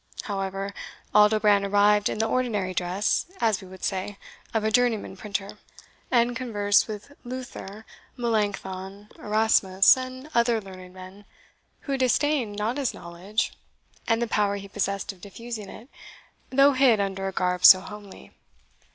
However Aldobrand arrived in the ordinary dress, as we would say, of a journeyman printer the same in which he had traversed Germany, and conversed with Luther, Melancthon, Erasmus, and other learned men, who disdained not his knowledge, and the power he possessed of diffusing it, though hid under a garb so homely.